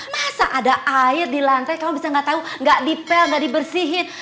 masa ada air di lantai kamu bisa gak tau gak dipel gak dibersihin